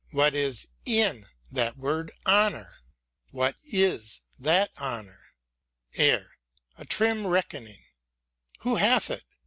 What is in that word honour ? What is that honour f Air. A trim reckoning l^Who hath it